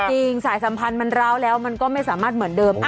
สายสัมพันธ์มันร้าวแล้วมันก็ไม่สามารถเหมือนเดิม